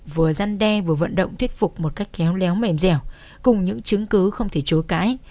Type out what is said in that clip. vừa gian đe vừa vận động thuyết phục một cách khéo léo mềm dẻo cùng những chứng cứ không thể chối cãi